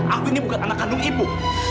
aku ini bukan anak kandung ibu